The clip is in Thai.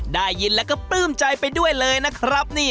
ด้ายยินและก็ปลื้มใจไปด้วยเลยนะครับ